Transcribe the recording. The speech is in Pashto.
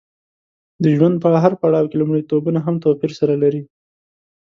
د ژوند په هر پړاو کې لومړیتوبونه هم توپیر سره لري.